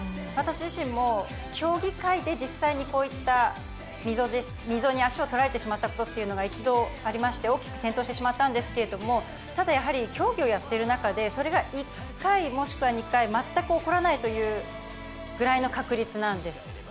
私自身も、競技会で、実際に、こういった溝に足を取られたしまったことっていうのが一度ありまして、大きく転倒してしまったんですけれども、ただやはり競技をやっている中で、それが１回、もしくは２回、全く起こらないというぐらいの確率なんです。